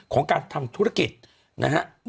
ของการทำธุรกิจ